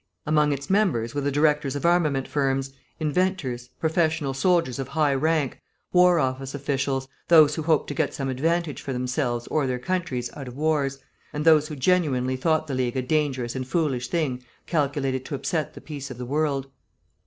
Among its members were the directors of armament firms, inventors, professional soldiers of high rank, War Office officials, those who hoped to get some advantage for themselves or their countries out of wars, and those who genuinely thought the League a dangerous and foolish thing calculated to upset the peace of the world.